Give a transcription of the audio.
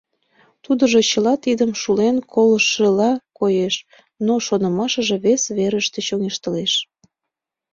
Тудыжо чыла тидым шулен колыштшыла коеш, но шонымашыже вес верыште чоҥештылеш.